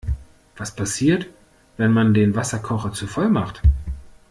Was passiert, wenn man den Wasserkocher zu voll macht?